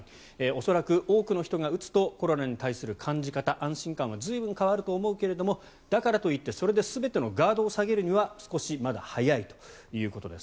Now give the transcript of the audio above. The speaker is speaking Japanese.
恐らく多くの人が打つとコロナに関する感じ方安心感は随分変わると思うけれどもだからといってそれで全てのガードを下げるには少しまだ早いということです。